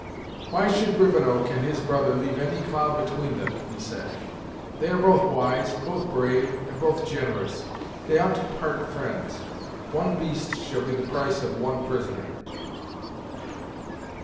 "Why should Rivenoak and his brother leave any cloud between them," he said. "They are both wise, both brave, and both generous; they ought to part friends. One beast shall be the price of one prisoner."